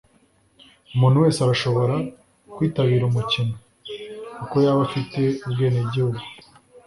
Umuntu wese arashobora kwitabira umukino, uko yaba afite ubwenegihugu.